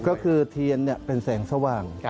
ก็คือเทียนเป็นแสงสว่าง